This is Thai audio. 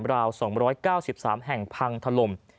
ราว๒๙๓แห่งพังถล่ม